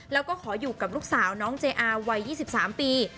แล้วก็ขออยู่กับลูกสาวน้องเจอาวัย๒๓ปี